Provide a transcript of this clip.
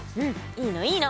いいのいいの。